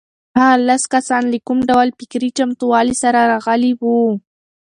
هغه لس کسان له کوم ډول فکري چمتووالي سره راغلي وو؟